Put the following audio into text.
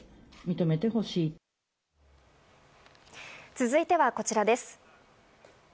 続いてはこちらです。